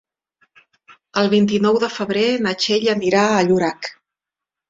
El vint-i-nou de febrer na Txell anirà a Llorac.